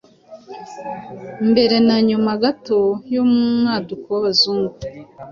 mbere na nyuma gato y’umwaduko w’abazungu.